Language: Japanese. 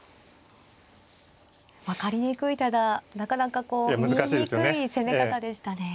分かりにくいただなかなかこう見えにくい攻め方でしたね。